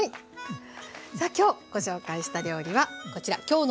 さあ今日ご紹介した料理はこちら「きょうの」